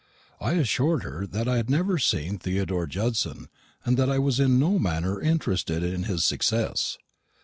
I assured her that I had never seen Theodore Judson, and that I was in no manner interested in his success.